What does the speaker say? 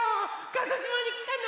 鹿児島にきたの？